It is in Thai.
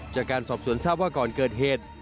จากการสอบสวนทราบว่าก่อนเกิดเหตุ